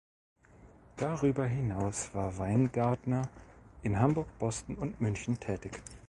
Darüber hinaus war Weingartner in Hamburg, Boston und München tätig.